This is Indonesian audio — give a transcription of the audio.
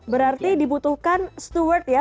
berarti dibutuhkan steward ya